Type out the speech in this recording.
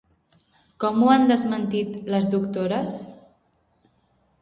Com ho han desmentit les doctores?